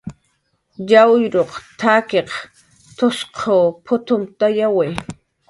"Wawyaq t""akin t'usq putuptayawi"